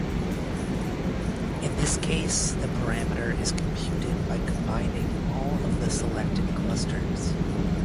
In this case, the parameter is computed by combining all the selected clusters.